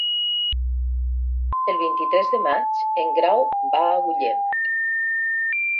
El vint-i-tres de maig en Grau va a Agullent.